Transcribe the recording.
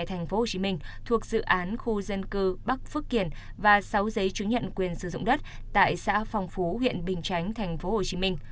tp hcm thuộc dự án khu dân cư bắc phước kiển và sáu giấy chứng nhận quyền sử dụng đất tại xã phong phú huyện bình chánh tp hcm